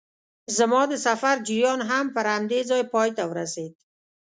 زما د سفر جریان هم پر همدې ځای پای ته ورسېد.